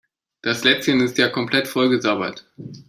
Das Lätzchen ist ja komplett vollgesabbert.